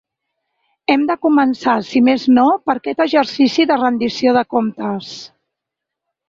Hem de començar, si més no, per aquest exercici de rendició de comptes.